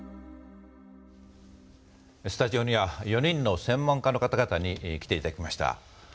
スタジオには４人の専門家の方々に来て頂きました。